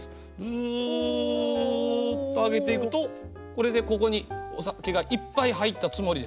ずっと上げていくとこれでここにお酒がいっぱい入ったつもりです。